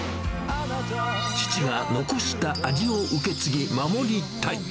父が残した味を受け継ぎ守りたい。